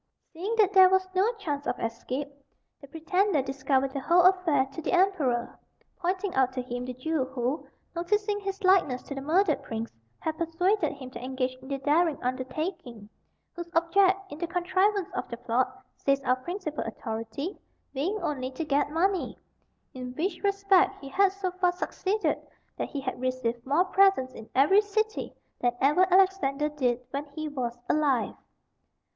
Seeing that there was no chance of escape, the pretender discovered the whole affair to the emperor, pointing out to him the Jew who, noticing his likeness to the murdered prince, had persuaded him to engage in the daring undertaking; whose object in the contrivance of the plot, says our principal authority, being only to get money, in which respect he had so far succeeded that "he had received more presents in every city than ever Alexander did when he was alive."